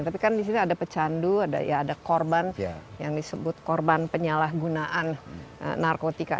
tapi kan di sini ada pecandu ada korban yang disebut korban penyalahgunaan narkotika